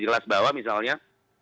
di kelas bawah misalnya